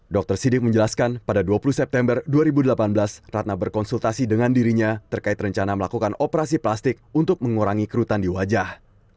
dr sidik menjelaskan pada dua puluh september dua ribu delapan belas ratna berkonsultasi dengan dirinya terkait rencana melakukan operasi plastik untuk mengurangi kerutan di wajah